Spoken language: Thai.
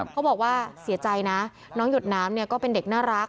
เขาบอกว่าเสียใจนะน้องหยดน้ำเนี่ยก็เป็นเด็กน่ารัก